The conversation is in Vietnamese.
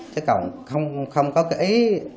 chứ còn không có cái ý